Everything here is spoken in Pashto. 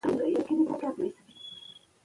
سوله مل شينوارى